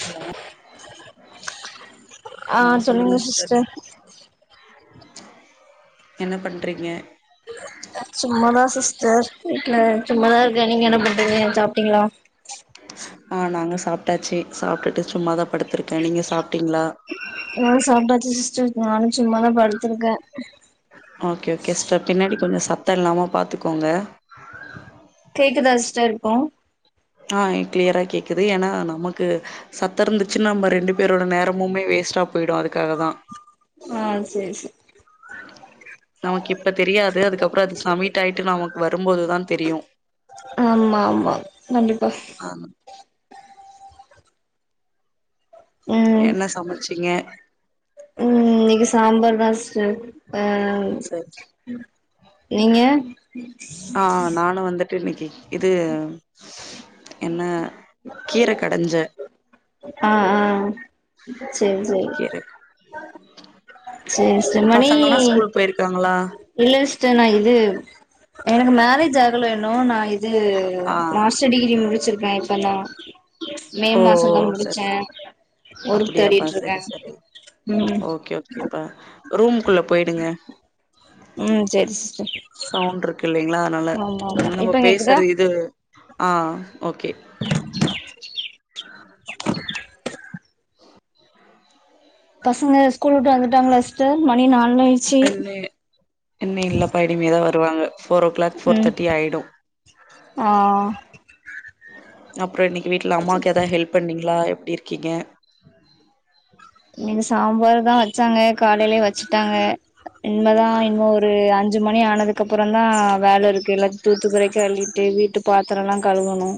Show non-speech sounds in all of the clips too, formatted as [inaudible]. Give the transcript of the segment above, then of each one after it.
hello ஆ சொல்லுங்க sister என்ன பண்றீங்க சும்மாதா சிஸ்டர் வீட்ல சும்மாதா இருக்கே நீங்க என்ன பண்றீங்க சாப்ட்டீங்ளா ஆ நாங்க சாப்ட்டாச்சி சாப்ட்டுட்டு சும்மாதா படுத்திருக்க நீங்க சாப்ட்டீங்ளா நா சாப்டாச்சி சிஸ்டர் நானு சும்மாதா படுத்துருக்கே ஓகே ஓகே சிஸ்டர் பின்னாடி கொஞ்ச சத்த இல்லாம பாத்துக்கோங்க கேக்குதா சிஸ்டர் இப்போ ஆ கிளியரா கேக்குது ஏனா நமக்கு சத்த இருந்துச்சுனா நம்ப ரெண்டு பேரோட நேரமுமே வேஸ்டா போய்டு அதுக்காக தா ஆ செரி செ நமக்கு இப்ப தெரியாது அதுக்கப்றோ அது சமிட் ஆயிட்டு நமக்கு வருபோதுதா தெரியு ஆமா ஆமா கண்டிப்பா ஆ ம் என்ன சமச்சிங்க இன்னிக்கு சாம்பார் தா சிஸ்டர் அ சரி நீங்க து இன்னிக்கி இது என்ன கீர கடஞ்ச ஆ ஆ செரி செரி பசங்கெல்லா ஸ்கூல் போய்ருக்காங்களா இல்ல சிஸ்டர் நா இது எனக்கு மேரேஜ் ஆகல இன்னும் நா இது ஆ மாஸ்டர் டிகிரி முடிச்சிருக்கே இப்ப நா ஓ சரி சரி ஒர்க் அப்டியாப்பா தேடிட்டு இருக்கே சரி சரி ம் ஓகே ஓகேப்பா ரூம்க்குள்ள போய்டுங்க ம் செரி சிஸ் சவுண்ட்ருக்கு இல்லைங்ளா அதனால ஆமா ஆமா ஏனா நம்ம இப்ப கேக்குதா பேஸ்ற இது ஆ ஓகே ஆ ஆஹ பசங்க ஸ்கூல் வுட்டு வந்துட்டாங்களா சிஸ்டர் மணி நா என்னே இன்னு இல்லபா இனிமேதா வருவாங்க ஃபோரோ கிளாக் ஃபோர் ம் தேட்டி ஆய்டு ஆ அப்ற இன்னைக்கு வீட்ல அம்மாக்கு எதா ஹெல்ப் பண்ணீங்ளா எப்டி இருக்கீங்க இங்க சாம்பார் தா வச்சாங்க காலையிலே வச்சிட்டாங்க இன்மேதா இன்னொரு அஞ் சு மணி ஆனதுக்குப்ற தா வேலருக்கு எல்லாத் தூத்து கொறைக்கு அல்லிட்டு வீட்டு பாத்தரோலா கழுவனு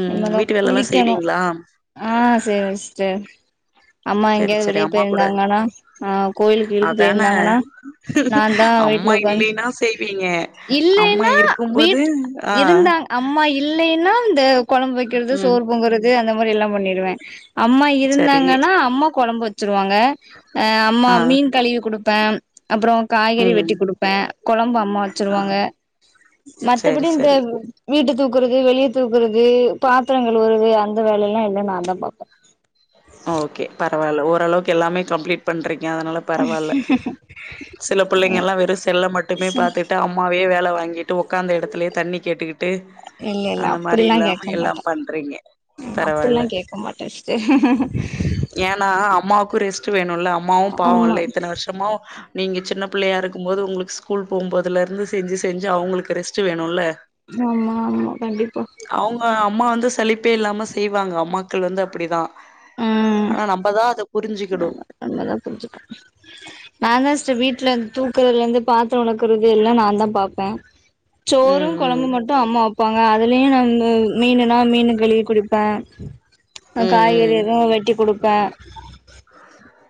ம் இன்மேதா வீட்டு வேலல்லா குளிக்கனு செய்வீங்களா ஆ செரி சிஸ்டர் அம்மா சரி எங்கேயாவது சரி வெளிய அம்மா கூட போய்ருந்தாங்னாலா அ கோயிலுக்கு இழுக்கு அதான போயிருந்தாங்கனா நா தா அ வீட்ல அம்மா உக்காந் இல்லைன்னா செய்வீங்க அம்மா இல்லைனா இருக்கும்போது வீட் ஆ இருந்தாங் அம்மா இல்லைனா இந்த கொழம்பு வெக்கிறது ம் சோறு பொங்கறது அந்த மாரி எல்லாம் பண்ணடுவே அம்மா சரி இருந்தாங்க ன்னா கொழம்பு வச்சிருவாங்க அ அம்மா ஆ மீன் கழுவி குடுப்பே அப்புறோ காய்கறி ம் வெட்டிக் குடுப்பே கொழம்பு அம்மா ஆ வெச்சருவாங்க சரி மத்தபடி இந்த சரி வீட்டுக்கு க்குறது வெளியே தூக்குறது பாத்திரங்கழுவறது அந்த வேலையல்லா எல்லா நா தா பாப்பே ஓகே பரவாயில்ல ஓரளவுக்கு எல்லாமே கம்ப்ளீட் பண்றீ ங்க அதனால பரவாயில்ல சில பிள்ளைங்க எல்லா வெறு செல்ல மட்டுமே பாத்துட்டு அம்மாவயே வேலை வா வாங்கிட்டு உக்காந்த எடத்துலயே தண்ணி கேட்டுக்கிட்டு இல்ல இல்ல அந்த மாரி அப்டிலா இல்லாம கேக்க மாட்டா எல்லாம் பண்றீங்க அப்டில்லா பரவாயில்ல கேக்க மாட்டே சிஸ்டர் ஏன்னா அம்மாவுக்கு ரெஸ்ட் வேணும்ல அம்மாவு ஆமா பாவம்ல இத்தன வருஷமா நீங்கள் சின்ன பிள்ளையா இருக்கும்போது உங்களுக்கு ஸ்கூல் போகும்போதுலேருந்து செஞ்சு செஞ்சு அவங்களுக்கு ரெஸ்ட்டு வேணுல ஆமா ஆமா கண்டிப்பா அவங்க அம்மா வந்து சலிப்பே இல்லாம செய்வாங்க அம்மாக்கள் வந்து அப்டிதா ஆனா நம்பதா அது நம்ம நம்மதாபுரிஞ்சுக்கனு நா தா சர் வீட்டுல தூக்குறதுல இருந்து பாத்திர வெளக்கறது எல்லா நா தா பாப்பே சோறு ம் ம் கொழம்பு மட்டு அம்மா ப்பாங்க அதுலயு நம்ம மீனுன்னா மீன் கழுவி குடுப்பே ம் ம் ட்டிக்குடுப்பே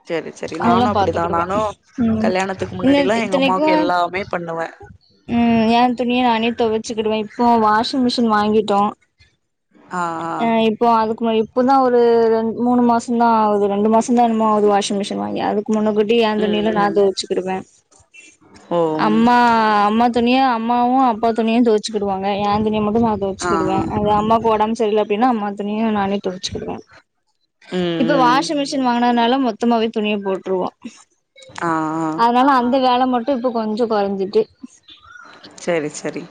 செரி செரி நானு அப்டிதா நானு ம் கல்யாணத்துக்கு இல்ல முன்னாடில்லா எங்க இத்தனைக்கு அம்மாவுக்கு எல்லாமே பண்ணுவே ம் ஏன் துணிய நானே தொ ச்சிக்கிடுவ இப்போ வாஷிங் மிஷின் வாங்கிட்டோ ஆ அ ஆ இப்போ அதுக்கு மேயுப் இப்போதா ஒரு ரெண் மூணு மாசந்தா ஆவுது ரெண்டு மாசந்தா என்னமோ ஆவுது வாஷிங் மிஷின் வாங்கி அதுக் முன்ன கூட்டி ஏ துணி ம் எல்லா நா ம் தொவச்சுகிடுவே ஓ ம் அம்மா அம்மா துணியா அம்மாவு அப்பா துணியு தொவச்சுகிடுவாங்க என் துணிய மட்டு நா ஆ தொவைச்சுகிடுவே ஆ அது அம்மாக்கு ஒடம்பு சரியல அப்டின்னா அம்மா துணிய நானே தொவச்சுகிடுவே ம் இப்ப ம் வாஷிங் மிஷின் வாங்கினதுனால மொத்தமாவே துணியை போட்டுருவோ ஆ ஆ அதனால அந்த வேல மட்டு டு இப்ப கொஞ்சோ கொறைஞ்சிட்டு செரி செரி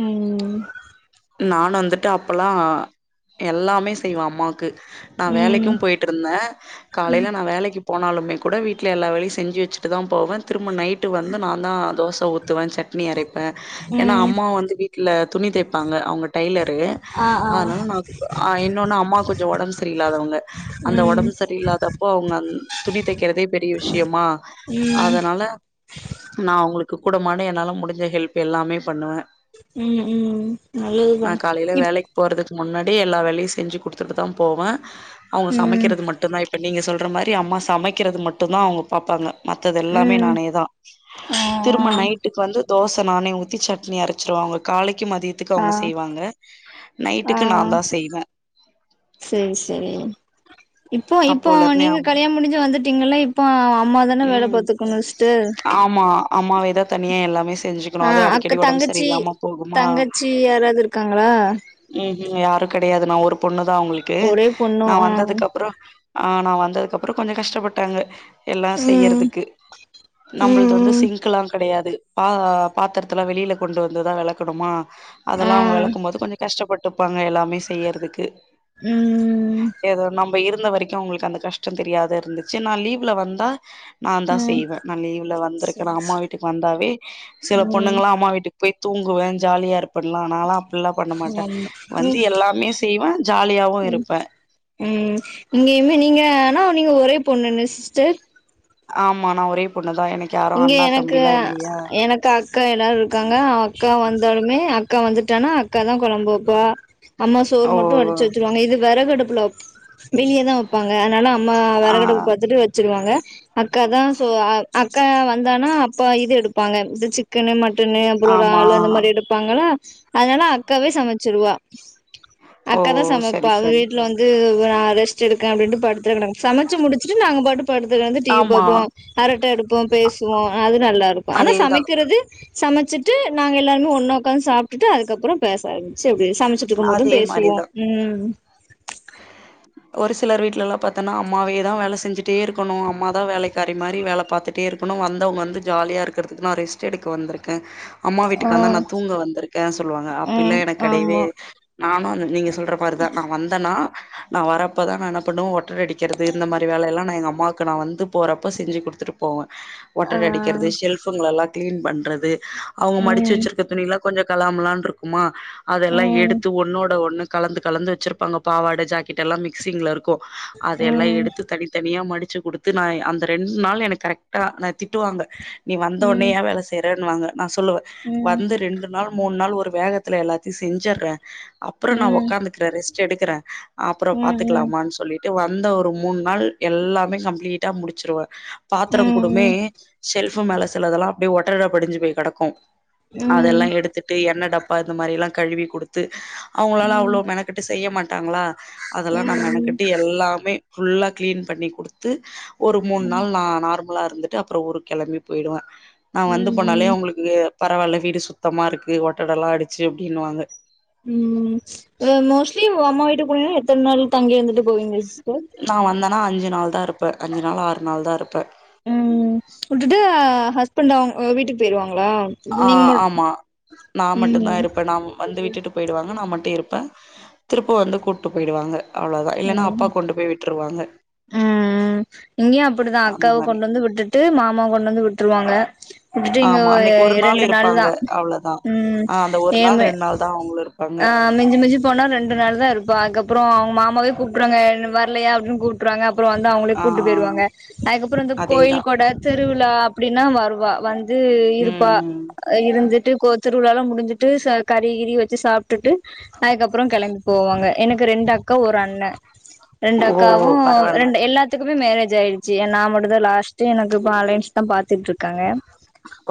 ம் நானு வந்துட்டு அப்பல்லா எல்லாமே செய்வா அம்மா க்கு நா வேலைக்கு ம் போயிட்டு இருந்தே காலையில நா வேலைக்கி போனாலுமே கூட வீட்டில எல்லா வேலையு செஞ்சு வெச்சுட்டு தா போவே திரும்ப நைட்டு வந்து நா தா தோச ஊத்துவே சட்னி அரைப்பே ஏன்னா ம் அம்மா வந்து வீட்டல துணி தேப் பாங்க அவங்க டைலர்ரு ஆ ஆ அதனால நா அ இன்னொன்னு அம்மா கொஞ்சோ ஒடம்பு சரிய இல்லாதவங்க அந்த ம் ஒடம்பு சரியில்லாதப்போ அவங்க துணி தைக்கிறதே பெரிய விஷயமா ம் அதனால நா அவுங்களுக்கு கூட மாட என்னால முடிஞ்ச ஹெல்ப் எல்லாமே பண்ணுவே ம் ம் நா நல்லதுதா காலையில இப் வேலைக்கு போறதுக்கு முன்னாடியே எல்லா வேலையு செஞ்சு குடுத்துட்டு தா போவே அவங்க ம் சமைக்கிறது மட்டு தா இப்ப நீங்க சொல்ற மாரி அம்மா சமைக்கிறது மட்டும்தா அவ்ங்க பாப்பாங்க மத்தது எல்லாமே ம் நானேதா ஆ திரும்ப நைட்டுக்கு வந்து தோச நானே ஊத்தி சட்னி அரைச்சிருவா அவங்க காலைக்கி மதி தியத்துக்கு ஆ அவுங்க செய்வாங்க ஆ நைட்டுக்கு நா தா செய்வே சேரி சேரி இப்போ இப்போ அப்போல இருந்தே நீங்க ஆமா கல்யாணோ முடிஞ்சு வந்துட்டீங்கல்ல இப்போ அம்மா தானே வேலை ம் பாத்துக்கணு நஸ்ட்டு ஆமா அம்மாவேதா தனியா எல்லாமே செஞ்சுக்கணு அது அடிக்கடி ஒடம்பு சரியில்லாமா போகுமா தங்கச்சி யாராவது இருக்காங்களா ம்ஹூம் யாரு கெடையாது நா ஒரு பொண்ணு தா அவுங்களுக்கு ஒரே பொண்ணு நா ஆ வந்ததுக்கு அப்பறோ ஆ நா வந்ததுக்கு அப்புறோ கொஞ்சோ கஷ்டப்பட்டாங்க எல்லா ம் செய்யறதுக்கு நம்மளது வந்து ம் சிங்க்கலா கெடையாது பா பாத்திரத்துல்லா வெளியில கொண்டு வந்துதா வெளக்கணுமா ஆ அதெல்லா அவங்க வெளக்கும் போது கொஞ்ச கஷ்டப்பட்டுப்பாங்க எல்லாமே செய்யறதுக்கு ம் ஏதோ நம்ம இரு ந்த வரைக்கு அவுங்களுக்கு அந்த கஷ்டம் தெரியாத இருந்துச்சு நா லீவ்ல வந்தா நான்தா ம் செய்வே நா லீவ்ல வந்திருக்கேன்னா சரி அம்மா வீட்டுக்கு வந்தாவே சில ம் பொண்ணுங்களா அம்மா வீட்டுக்கு போய் தூங் குவே ஜாலியா இருப்பே நாளா அப்டில்லா பண்ண மாட் ஆமா வந்து ம் எல்லாமே செய்வே ஜாலியாவு இருப்பே ம் நீங்க இ நீங்க ஆனா நீங்க ஒரே பொண்ணுணு சிஸ்டர் ஆமா நா ஒரே பொண் இங்க எனக்கு எனக்கு அக்கா எல்லாரு இருக்காங்க அக்கா வந்தாலுமே அக்கா வந்துட்டானா அக்கா தா கொழம்பு வப்பா அம்மா சோர் ஓ மட்டு வடிச்சு வச்சுருவாங்க இது வெறகடுப்புல வெளியதா வைப்பாங்க அதனால அம்மா ஆ வெறகடுப்பு பாத்துட்டு வச்சிருவாங்க அக்கா தா சோ அக்கா வந்தானா அப்பா இது எடுப்பாங்க இது சிக்கனு மட் ட்டுன்னு அப்புற ஒரு ஆமா ஆள் அந்த மாரி எடுப்பாங்களா அதனால அக்காவே சமைச்சிருவா ஓ அக்கா தா சமைப்பா சரி அவ சரி வீட்ல வந்து நா ரெஸ்ட் எக்கே அப்பின் படுத்து கெடக்கே சமைச்சு முடிச்சுட்டு நாங்க பாட்டு படுத்து கெடந்து டி வி ஆமா பாப்போ அரட்டை எடுப்போ பேசுவோ அது நல்லாருக்கு ஆனா அதேதா சமைக்கிறது சமைச்சிட்டு நாங்க எல்லாருமே ஒன்னா ஒக்காந்து சாப்ட்டுட்டு அதுக்கப்புற பேச ஆரம்பிச்சு எப்டி சமைச்சுட்ருக்கும் போது அதே பேசுவோ மாரிதா ம் [inaudible] ஒரு சிலர் வீட்டுலல்லா பாத்தோன்னா அம்மாவே தா வேல செஞ்சுட்டே இருக்கணு அம்ம தா வேலைக்காறி மாரி வேல பாத்துட்டே இரு இருக்கணு வந்தவங்க வந்து ஜாலியா இருக்கிறதுக்கு நா ரெஸ்ட்டு எடுக்க வந்திருக்கே அம்மா ஆ வீட்டுக்கு வந்தா நா தூங்க வந்திருக்கேன்னு சொல்லுவாங்க ம் அப்பில்ல எனக்கு கெடையவே ஆமா நானு அ நீங்க சொல்ற மாரிதா தா நா வந்து தா நா வரப்பதா நா என்ன பண்ணுவே ஒட்ற அடிக்கிறது இந்த மாரி வேலைல்லா எங்க அம்மாவுக்கு நா வந்து போறப்ப செ செஞ்சு குடுத்துட்டு போவே ஆ ஒட்டட அடிக்கிறது ஷல்ஃபங்குல்லா கிளீன் பண்றது அவங்க மடிச்சு ம் வச்சிருக்க துணில்லா கொஞ்ச கலாமலாம்னு இருக்குமா அதெல்லா ம் எடுத்து ஒன்னோட ஒண்ணு கலந்து கலந்து வச்சிருப்பாங்க பாவாடை ஜாக்கெட்ல்லா மிக்சிங்ல இருக்கு அதயெல்லா ம் எடுத்து தனித்தனியா மடிச் சு குடுத்து நா அந்த ரெண்டு நாள் எனக்கு கரெக்டா நா திட்டுவாங்க நீ வந்த ஒனயே ம் ஏ வேலை செய்யறன்னுவாங்க நா சொல்லுவே ம் வந்து ரெண்டு நாள் மூணு நாள் ஒரு வேகத்துல எல்லாத்தையு செஞ்சுறே அப்புற நா ம் உக்காந்துக்கறே ரெஸ்ட் எடுக்கறே அப்புற பாத்துக்கலாமான்னு சொல்லிட்டு வந்த ஒரு மூணு நாள் எல்லாமே கம்ப்ளீட்டா முடிச்சிருவே பாத்திர கூடுமே ம் செஷல்ஃப் மேல சிலதெல்லா அப்டியே ஒட்டட படிஞ்சு போய் கெடக்கு ம் ம் ம் அதெல்லா ம் எடுத்துட்டு எண்ண டப்பா இந்த மாரில்லா கழுவி குடுத்து அவங்களாலா அவ்வளோ மெனக்கட்டு செய்ய மாட்டாங்களா ம் அதெல்லா நா ம் மெனக்கட்டு எல்லாமே ஃபுல்லா கிளீன் பண்ணி குடுத்து ஒரு மூணு ம் நாள் நா நார்மல் புல்லா இருந்துட்டு அப்புற ஊரு கெளம்பி போயிடுவே நா வந்து ம் போனாலே ம் அவங்களுக்கு பரவால்ல வீடு சுத்தமாருக்கு ஒட்டடலா ஆடிச்சு அப்படினுவாங்க ம் அ மோஸ்ட்லி அம்மா வீட்டுக்கு எத்தன நாள் தங்கி இருந்துட்டு போயிங்க சிஸ்டர் வந்தேன்னா நா அஞ்சு நாள் தா இருப்பே அஞ்சு நாள் ஆறு நாள் தா இருப்பே ம் விட்டுட்டு ஆ ஹஸ்பண்ட் அவங்க வீட்டுக்கு போயிருவாங்க ஆ ஆமா நா மட்டுந்தா ம் இருப்பே நா வந்து விட்டுட்டு போயிடுவாங்க நா மட்டு இருப்பே திருப்ப வந்து கூப்ட்டு போயிடுவாங்க அவ்வளவுதா இல்லன்னா அப்பா ம் கொண்டு போய் விட்டுருவாங்க ம் இங்கயு அப்படிதா அந்த அக்காவ மாரி கொண்டு வந்து விட்டுட்டு மாமா கொண்டு வந்து விட்டுருவாங்க விட்டுட்டு இங்க ஆமா ஒரு அன்னைக்கு நாள் இரண்டு இருப்பாங்க நாள்தா அவ்ளோதா ம் ஆ அந்த ஒரு நாள் ஏம ரெண்டு நாள் தா அவங்களு இருப்பாங்க ஆ மிஞ்சி மிஞ்சி போனா ரெண்டு நாள் தா இருப்பா அதுக்கப்பற அவங்கமா மாமாவே கூப்ட்ருவாங்க வரலையா அப்டின்னு கூப்ட்றாங்க அப்புற வந்து அவங்களே ஆ கூட்டு போய்டுவாங்க அதுக்கப்புற இந்த அதேதா கோயில்கொடை திருவிழா அப்டின்னா வருவா வந் து இருப்பா ம் இருந்துட்டு கோ திருவிழாலா முடிஞ்சிட்டு ச கறிகிறி வச்சு சாப் விட்டுட்டு அதுக்கப்பறம் கெளம்பி போவாங்க எனக்கு ரெண்டு அக்கா ஒரு அண்னே ரெண்டு அக்காவு ஓ பரவால்ல ரெண்டு எல்லாத்துக்கும் அப்பமே மேரேஜ் ஆகிடுச்சு ஏ நா மட்டுந்தா லாஸ்ட்டு எனக்கு இப்ப ஆன்லைன்ஸ் தா பாத்துட்ருக்காங்க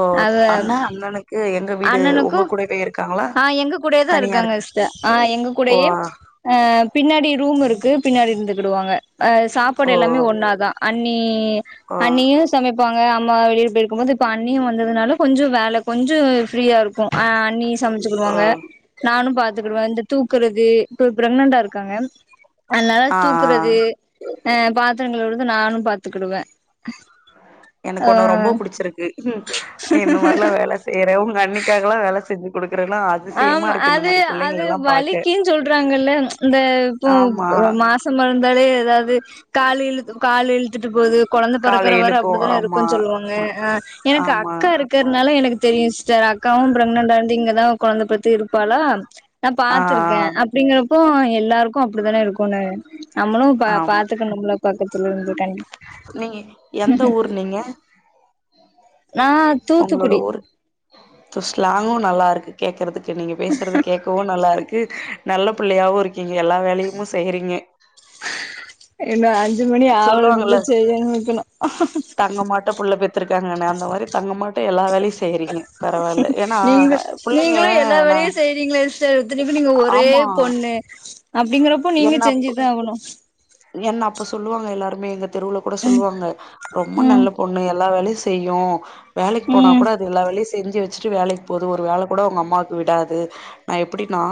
ஓ அது அண்ணா அண்ணனுக்கு எங்க வீடு அண்ணனுக்கு உங்க கூடவே இருக்காங்களா ஆ எங்க கூடயே தா தனியா இருக்காங்க இருக்க சிஸ்டர் ஆ எங்க ஓ கூடயே அ அ பின்னாடி ரூம் இருக்கு பின்னாடி இருந்துகிடுவாங்க அ சாப்பாடு ஓ எல்லாமே ஒன்னாதா அண்ணி ஓ ண்ணி அண்ணியு சமைப்பாங்க அம் ம்மா வெளிய போயிருக்கும் போது இப்ப அண்ணியு வந்ததுனால கொஞ்ச வேல கொஞ்சோ ஃப்ரீயா இருக்கு அ அண்ணி ஓ சமைச்சுக்குடுவாங்க நானு பாத்துக்குடுவே இந்த தூக்குறது இப்ப ப்ரெக்னன்டா இருக்காங்க அதுனால ஆ ஆ தூக்குறது அ பாத்தரங்கழுவுறது நானு பாத்துக்குடுவே எனக்கு உண்ண ரொம்ப புடிச்சுருக்கு நீ இந்த மாரிலா வேல செய்யற உங்க அண்ணி க்காகலா வேல செஞ்சு குடுக் ஆமா அது அது பாக்க வலிக்கின் சொல்றாங்கல்ல இந்த இப்போ ஆமா இப்போ மாசமா இருந்தாலே எதாவது கால் இழுத்துக்கு காலு இழுத்துட்டு ட்டு போது கொழந்தை கால பொறக்கற வர இழுக்கு அப்டிதான ஆமா இருக்குன்னு சொல்லுவாங்க ஆ எனக்கு ஆமா அக்கா இருக்கற்னால எனக்கு தெரியு சிஸ்டர் அக்காவும் ப்ரக்னண்டா இருந்து இங்கதா கொழந்த பெத் திருப்பாலா நா ஆ பாத்துருக்கே அப்டிங்குறப்போ எல்லாருக்கு அப்டித்தான இருக்குனு நம்மளு பா ஆ ஆமா பாத்துக்கணும்ல பக்கத்துல இருந்ததுக்காண்டி நீங்க எந்த ஊரு நீங்க நா தூத்துக்குடி சோ ஸ்லாங்கும் நல்லா இருக்கு கேக்குறதுக்கு நீங்க பேசுறது கேட்கவு நல்லா இருக்கு நல்ல புள்ளையாவு இருக்கீங்க எல்லா வேலையுமு செய்றீங்க இன்னு ஆஞ் அஞ்சு மணி ஆவலன் கூட சொல்லுவாங்கல்ல செய்யனு வக்கெணு இருக்கங்கன்னா அந்த மாரி தங்கமாட்ட எல்லா வேலயு செய்யறீங்க பரவால்ல ஏன்னா புள்ளைங்க நா செய்றீங்களா சிஸ்டர் இத்தனிக்கு நீங்க ஒரே ஆமா பொண்ணு அப்டிங்கறப்போ நீங்க என்ன செஞ்சுதா ஆவணு என்ன அப்ப சொல்லுவாங்க எல்லாருமே எங்க தெருவுல கூட சொல்லுவாங்க ரொம்ப ம் நல்ல பொண்ணு எல்லா வேலயு செய்யு வேலக்கு போனா ம் கூட அது எல்லா வேலயு செஞ்சு வச்சு வச்ட்டு வேலக் போது ஒரு வேல கூட உங்க அம்மாவுக்கு விடாது நா எப்புடின்னா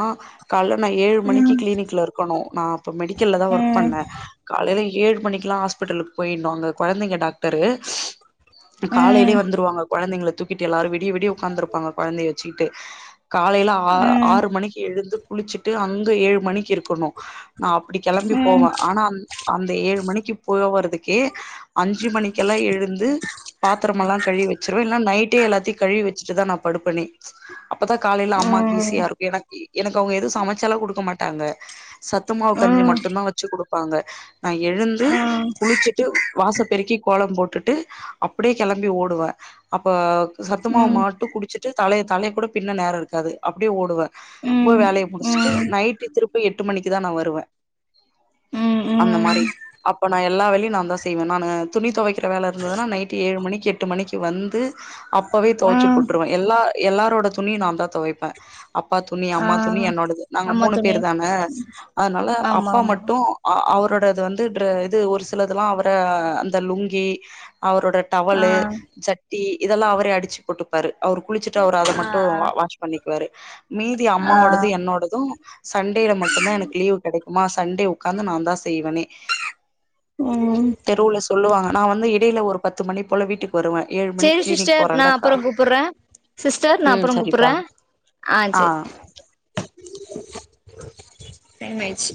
கால்ல நா ஏழு மணிக்கி ம் க்ளினிக்ல இருக்கணு நா இப்ப மெடிக்கல்ல தான் ஒர்க் ம் பண்ணேன் காலையில ஏழு மணிக்குல்லா ஹாஸ்பெட்டலுக்கு போய்னு அங்க கொழந்தைங்க டாக்டரு ம் காலயிலே ம் வந்துருவாங்க கொழந்தைங்கள தூக்கிட்டு எல்லாரு விடிய விடிய உக்காந்துருப்பாங்க கொழந்தைய வச்சுக்கிட்டு காலயில ஆ ம் ம் ம் ம் ம் ம் ஆறு மணிக்கு எழுந்து குளிச்சிட்டு அங்க ஏழு மணிக்கு இருக்கணு நா அப்டி கெளம்பி போவே ஆனா அ அந்த ஏழு மணிக்கு போவறதுக்கே அஞ்சு மணிக் கெல்லா எழுந்து பாத்தரமெல்லா கழிவி வச்சிருவே இல்லனா நை ட்டே எல்லாத்தையு கழுவி வச்சுட்டுதா நா படுப்பனே அப்பதா காலையில அம்மாவுக்கு ஈஸியா இருக்கு எனக்கு இ எனக்கு அவுங்க எதுவு சமச்சலா குடுக்க மாட்டாங்க சத்துமாவு கஞ்சி மட்டுந்தா வச்சு குடுப்பாங்க நா எழுந்து குளிச்சுட்டு வாச பெருக்கி கோலோ போட்டுட்டு அப்டியே கெளம்பி ஓடுவே அப்ப சத்துமாவு மாட்டு குடிச்சுட்டு தலய தலய கூட பின்ன நேரோ இருக்காது அப்டியே ஓடுவே போய் வேலய முடிஸ்ட்டு நைட்டு திருப்பி எட்டு மணிக்கு தா நா வருவே ம் ம் ம் அந்த மாரி ம் அப்ப நா எல்லா வேலையு நாந்தா செய்வே நானு துணி தொவைக் கிற வேல இருந்துதுனா நைட் ஏழு மணிக்கி எட்டு மணிக்கி வந்து அப்பவே தொவச்சு போட்டுருவே எல்லா எல்லா ரோட துணியு நா தா தொவைப்பே அப்பா துணி ஆ அம்மா துணி என்னோடது நாங்க ஆமா மூணு தோழி பேரு தான அதுனால ஆமா அப்பா ஆமா மட்டு அ அவரோட டது வந்து ட்ர இது ஒரு சில இதல்லா அவர அந்த லுங்கி அவரோட ஆ டவலு ஜட்டி இதெல்லா அவரே அடிச்சு போட்டுப்பாரு அவரு குளிச்சுட்டு அவரு அத ஆ ஆ மட்டு வா வாஷ் பண்ணி பாரு மீதி ஆ அம்மாவோடது என்னோடது சன்டேல மட் லீவு கெடைக்குமா சண்டே உக்காந்து நா தா செய்வனே ம் தெருவுல சொல்லுவாங்க நா வந்து இடையில ஒரு பத்து மணி போல வீட்டுக் சேரி சிஸ்டர் நா அப்றோ கூப்புற சிஸ்டர் நா ம் அப்பறோ சரிப்பா கூப்புற ஆ சேரி டைம் ஆய்ச்சி